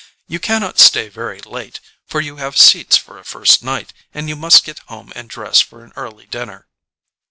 You cannot stay very late, for you have seats for a first night and you must get home and dress for an early dinner.